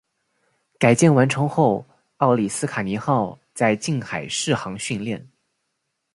改建完成后奥里斯卡尼号在近海试航训练。